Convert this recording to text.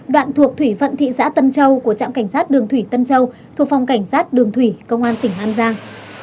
đoạn thuộc thủy vận thị xã tân châu của trạm cảnh sát đường thủy tân châu thuộc phòng cảnh sát đường thủy công an tỉnh an giang